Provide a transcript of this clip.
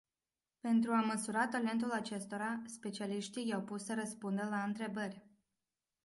Pentru a măsura talentul acestora, specialiștii i-au pus să răspundă la întrebări.